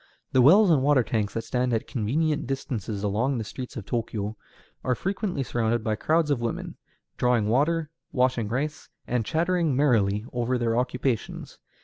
The wells and water tanks that stand at convenient distances along the streets of Tōkyō are frequently surrounded by crowds of women, drawing water, washing rice, and chattering merrily over their occupations.